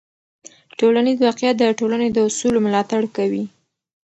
ټولنیز واقیعت د ټولنې د اصولو ملاتړ کوي.